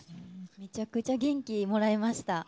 めちゃくちゃ元気もらいました。